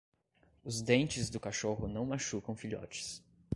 Os dentes do cachorro não machucam filhotes.